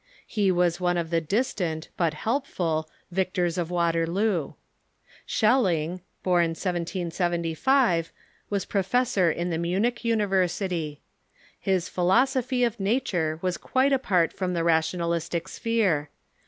He was one of the distant, but helpful, victors of Waterloo. Scheiiing, born 1775, was professor in the Munich University. His phi losophy of nature was quite apart from the rationalistic sphere.